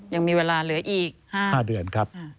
ยังมีเวลาเหลืออีก๕เดือนครับ